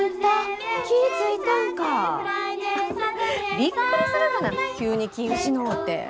びっくりするがな急に気ぃ失うて。